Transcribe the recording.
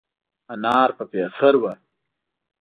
انار په پېخر وه.